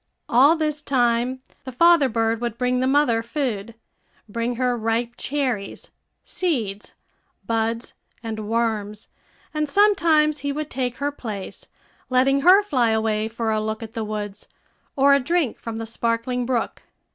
All this time the father bird would bring the mother food bring her ripe cherries, seeds, buds, and worms; and sometimes he would take her place, letting her fly away for a look at the woods, or a drink from the sparkling brook.